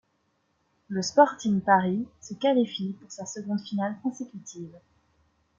Le Sporting Paris se qualifie pour sa seconde finale consécutive.